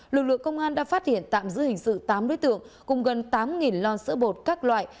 lực lượng công an đã phát hiện tạm giữ hình sự tám đối tượng cùng gần tám lon sữa bột các loại